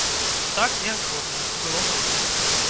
Так, я згодна, было брудна.